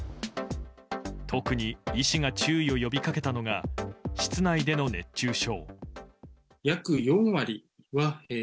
特に医師が注意を呼びかけたのが室内での熱中症。